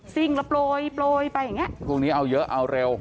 ซิ่งแล้วโปรยไปอย่างนี้ตรงนี้เอาเยอะเอาเร็ว